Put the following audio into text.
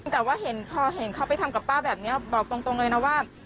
แต่ว่าเห็นพอเห็นเขาไปทำกับป้าแบบนี้บอกตรงเลยนะว่า